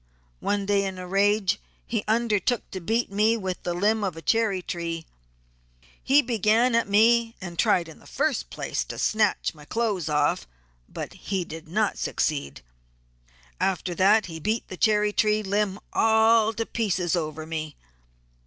One day in a rage he undertook to beat me with the limb of a cherry tree; he began at me and tried in the first place to snatch my clothes off, but he did not succeed. After that he beat the cherry tree limb all to pieces over me.